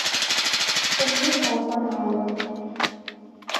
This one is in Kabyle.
Tanemmirt ɣef uneɛruḍ.